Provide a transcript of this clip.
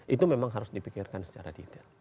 itu memang harus dipikirkan secara detail